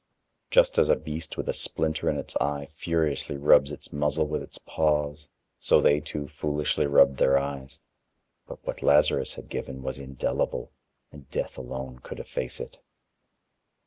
Just as a beast with a splinter in its eye furiously rubs its muzzle with its paws, so they too foolishly rubbed their eyes, but what Lazarus had given was indelible, and Death alone could efface it.